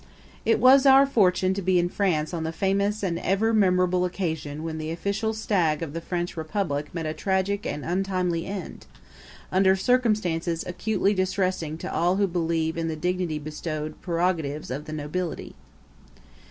It was our fortune to be in France on the famous and ever memorable occasion when the official stag of the French Republic met a tragic and untimely end, under circumstances acutely distressing to all who believe in the divinity bestowed prerogatives of the nobility.